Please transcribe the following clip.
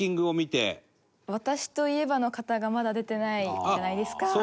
心愛ちゃん：私といえばの方がまだ出てないじゃないですか。